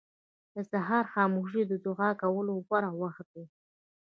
• د سهار خاموشي د دعا کولو غوره وخت دی.